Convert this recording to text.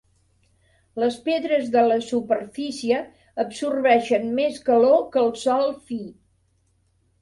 Les pedres de la superfície absorbeixen més calor que el sòl fi.